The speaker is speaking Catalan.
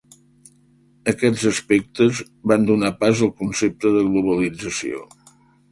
Aquests aspectes van donar pas al concepte de globalització.